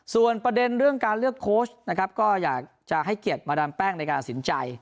ส่วนประเด็นเรื่องการเลือกโค้ชนะครับก็อยากจะให้เกียรติมาดามแป้งในการตัดสินใจ